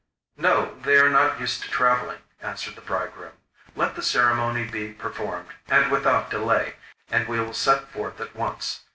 'No; they are not used to travelling,' answered the bridegroom. 'Let the ceremony be performed without delay, and we will set forth at once.